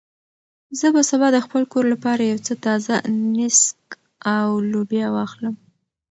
زه به سبا د خپل کور لپاره یو څه تازه نېسک او لوبیا واخلم.